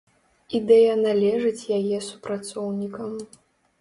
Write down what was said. Ідэя належыць яе супрацоўнікам.